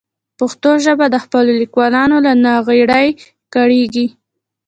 پښتو ژبه د خپلو لیکوالانو له ناغېړۍ کړېږي.